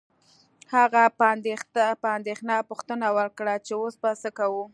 هغه په اندیښنه پوښتنه وکړه چې اوس به څه کوو